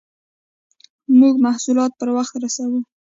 موږ محصولات پر وخت رسوو.